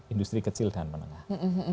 industri kecil dan menengah